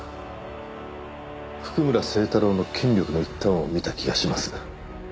譜久村聖太郎の権力の一端を見た気がします。